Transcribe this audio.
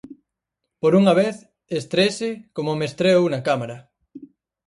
Por unha vez, estréese, como me estreo eu na Cámara.